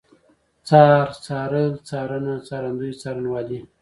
څار، څارل، څارنه، څارندوی، څارنوالي